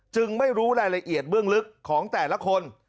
ไม่รู้รายละเอียดเบื้องลึกของแต่ละคน